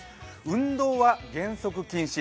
運動は原則禁止。